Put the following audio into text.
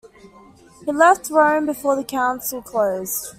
He left Rome before the council closed.